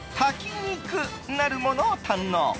肉なるものを堪能。